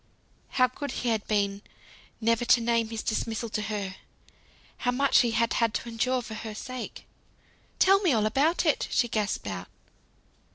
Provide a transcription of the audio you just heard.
How good he had been never to name his dismissal to her. How much he had had to endure for her sake! "Tell me all about it," she gasped out.